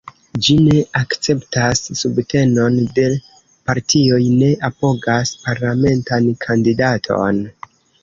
Ĝi ne akceptas subtenon de partioj, ne apogas parlamentan kandidaton.